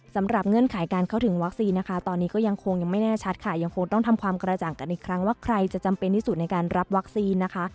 เงื่อนไขการเข้าถึงวัคซีนนะคะตอนนี้ก็ยังคงยังไม่แน่ชัดค่ะยังคงต้องทำความกระจ่างกันอีกครั้งว่าใครจะจำเป็นที่สุดในการรับวัคซีนนะคะ